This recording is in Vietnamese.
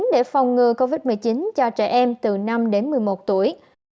để phòng ngừa covid một mươi chín cho trẻ em từ năm đến một mươi một tuổi